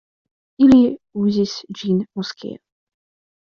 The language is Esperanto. Ili uzis ĝin moskeo.